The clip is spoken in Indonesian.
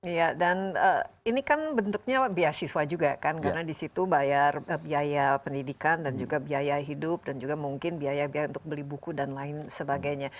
iya dan ini kan bentuknya beasiswa juga kan karena di situ bayar biaya pendidikan dan juga biaya hidup dan juga mungkin biaya biaya untuk beli buku dan lain sebagainya